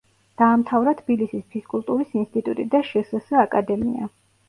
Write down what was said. დაამთავრა თბილისის ფიზკულტურის ინსტიტუტი და შსს აკადემია.